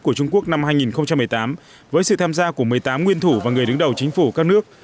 của trung quốc năm hai nghìn một mươi tám với sự tham gia của một mươi tám nguyên thủ và người đứng đầu chính phủ các nước